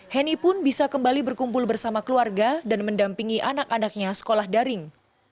heni pun bisa kembali berkumpul bersama keluarga dan mendampingi anak anaknya sekolah daring